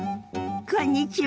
こんにちは。